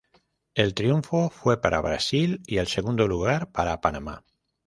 El triunfo fue para Brasil y el segundo lugar para Panamá.